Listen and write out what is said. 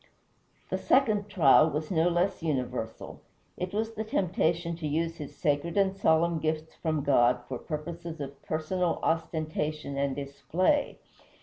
The second trial was no less universal. It was the temptation to use his sacred and solemn gifts from God for purposes of personal ostentation and display.